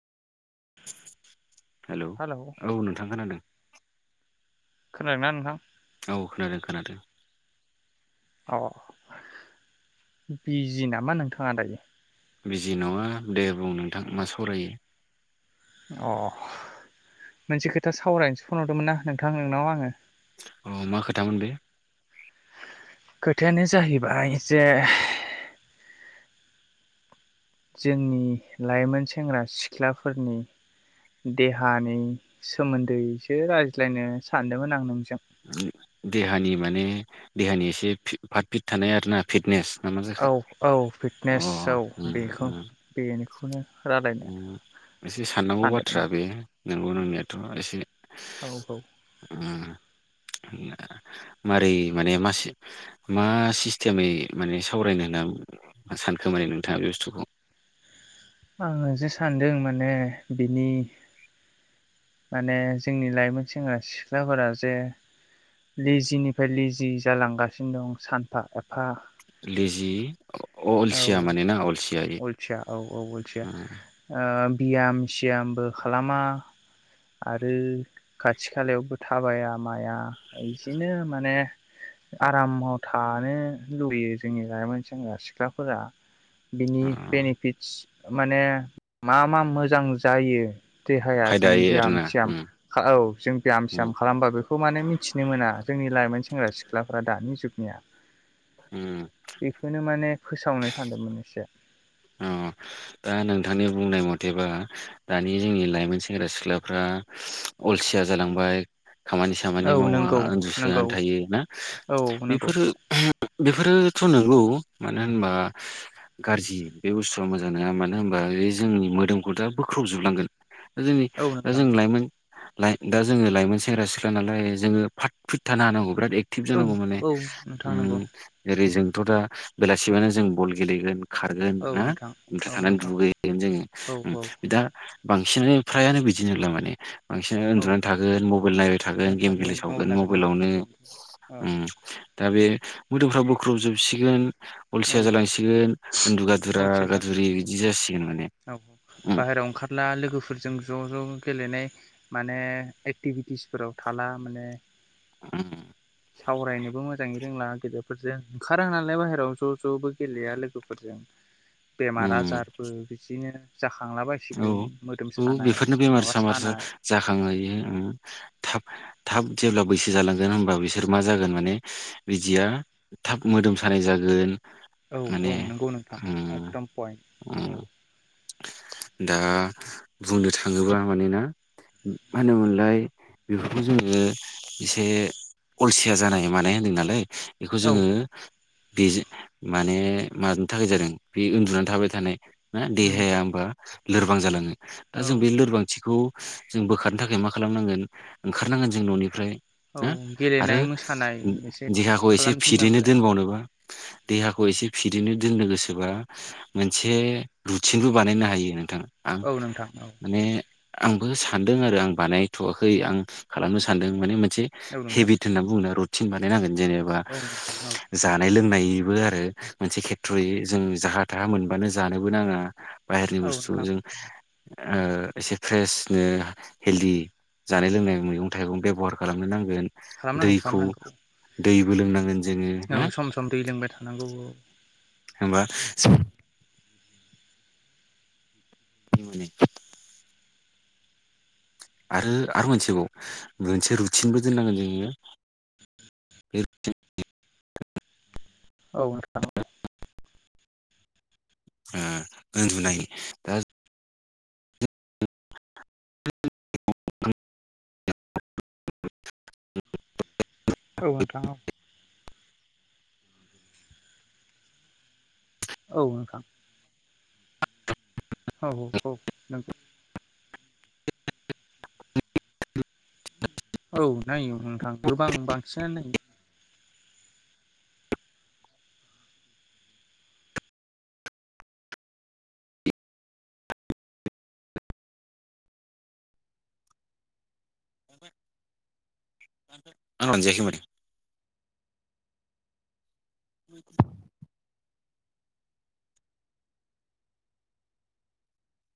Hello औ नोंथां खोनादों खोनादोंना नोंथां औ खोनादों खोनादों औ बिजि नामा नोंथाङा दायो बिजि नङा दे बुं नोंथां मा सावरायो अ मोनसे खोथा सावरायनोसो फन हरदोंमोन ना नोंथां नोंनाव आङो अ मा खोथामोन बे खोथायानो जाहैबाय जे जोंनि लाइमोन सेंग्रा सिख्लाफोरनि देहानि सोमोन्दैसो रायज्लायनो सानदोंमोन आं नोंजों देहानि माने देहानि एसे फार्ट फिट थानाय आरोना फिटनेस ना मा जाखो औ औ अ फिटनेस औ उम बेखौ उम बेखौनो रायलायनो उम एसे साननांगौ बाथ्रा सानदोंमोन आं बे नंगौ नंनायाथ' एसे औ औ उम मारै माने मा मा सिस्टेमै माने सावरायनो नों सानखोमाने नोंथाङा बे बुस्थुखौ आङो जे सानदों माने बिनि माने जोंनि लाइमोन सेंग्रा सिख्लाफोरा जे लेजिनिफ्राय लेजि जालांगासिनो दं सानफा एफा लेजि औ अलसिया माने ना अलसिया अलसिया औ औ अलसिया ओ बियाम सियामबो खालामा आरो खाथि खालायावबो थाबाया माया बिदिनो माने आरामाव थानो लुुबैयो जोंनि लाइमोन सेंग्रा सिख्लाफोरा बिनि उम बेनिफिटस माने मा मा मोजां जायो देहाया जों फायदायै ब्याम आरोना स्याम उम औ जों ब्याम उम स्याम खालामबा बेखौ माने मिथिनो मोना जोंनि लाइमोन सेंग्रा सिख्ला सिख्लाफ्रा दानि जुगनिया उम बेखौनो माने फोसावनो सान्दोंमोन एसे अ दा नोंथांनि बुंनाय मथेबा दानि जोंनि लाइमोन सेंग्रा सिख्लाफ्रा अलसिया जालांबाय खामानि सामानि औ मावा नंगौ नंगौ उन्दुसोनानै थायो ना औ नंगौ बेफोरो बेफोरोथ' नंगौ मानो होनबा गाज्रि बे बुस्थुआ मोजां नङा मानो होनबा बे जोंनि मोदोमखौ दा बोख्रबजोबलांगोन जोंनि औ नोंथां जों लाइमोन दा जोङो लाइमोन सेंग्रा सिख्ला नालाय जोङो फात फिट थानो हानांगौ बिराद एकटिभ औ जानांगौ माने औ नोंथां नंगौ ओम जेरै जों सिगांथ' दा बेलासिमानि जों बल गेलेगोन खारगोन औ ना नोंथां ओमफ्राय औ थांनानै नोंथां दुगैगोन जोङो औ दा औ बांसिनानो फ्रायानो बिदि नंला माने बांसिन औ उन्दुनानै थागोन मबाइल नायबाय थागोन गेम गेलेबाय मबाइल थागोन लागोन औ मबाइलावनो गेम औ उम दा बे मोदौफ्रा बोख्रुबजोबसिगोन अलसिया औ जालांसिगोन उन्दुगादु औ गादुरा थिग उन्दुगादुरि जागोन बिदि जासिगोन। माने औ उम बाहेरायाव ओंखारना लोगोफोरजों ज' ज' गेलेनाय माने एक्टिभिटिसफोराव थाना माने [unintelligible] सावरायनोबो मोजाङै रोंला गेदेरफोरजों ओंखारा नालाय बाहेरायाव ज' ज'बो गेलेया लोगोफोरजों बेमार उम आजारबो बिदिनो जा औ औ बेफोरनो बेमार माबा सामार सानाय जाखांहोयो उम थाब थाब जेब्ला बैसो जालांगोन होनबा बिसोर मा जागोन माने बिदिया थाब मोदोम सानाय जागोन औ औ माने नंगौ नोंथां उम एकदम पइन्ट उम औ दा बुंनो थाङोबा मानोना मा होनोमोनलाय बेफोरखौ जोङो एसे अलसिया जानाय मानाय होन्दों नालाय बेखौ औ जोङो बे माने मानो थाखाय जादों बे उन्दुनानै थाबाय थानाय [unintelligible] उम देहाया होमबा लोरबां जालाङो दा औ जों बे लोरबांथिखौ जों बोखारनो थाखाय मा खालामनांगोन ओंखारनांगोन जों न'निफ्राय औ हो आरो गेलेनाय मोसानाय एसे देहाखौ एसे फिदैनो खालामथिंनांगोन दोनबावनोबा देहाखौ एसे फिदैनो दोननो गोसोबा मोनसे रुथिनबो बानायनो हायो नोंथां आं औ नोंथां औ माने आंबो सानदों आरो आं बानायथ'वाखै आं खालामनो सानदों माने [unintelligible] औ नोंथां हेबिट होनना बुंनो रु थिन बानायनांगोन जेनेबा औ नोंथां औ जानाय लोंनायबो [unintelligible] मोनसे खेथ्रयै जों जाहा थाहा मोनबानो जानोबो नाङा बाहेरनि औ बुस्थु थ नोंथां जों ओ एसे फ्रेसनो हेल्दि जानाय लोंनाय मैगं थाइगं बेब'हार खालामनो नां गोन खालामनांगौ दैखौ खालामनांगौ दैबो लोंनांगोन जोङो औ ना। सम सम दै लोंबाय थानांगौ औ होमबा [unintelligible] आरो आरो मोनसेबाव मोनसे रुटिनबो दोननांगोन जोङो बे औ। ओ उन्दुनाय दा [unintelligible] औ नोंथां औ। औ नोंथां। औ औ औ नंगौ। औ नायो नोंथां गोबां बांसिनानो [unintelligible] [inaudible]